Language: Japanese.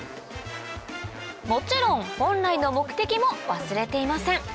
もちろん本来の目的も忘れていません